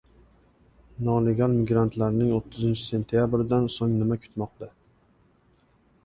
Nolegal migrantlarni o'ttizinchi sentyabrdan so‘ng nima kutmoqda?